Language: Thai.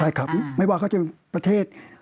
ใช่ครับไม่ว่าเขาจะเป็นประเทศ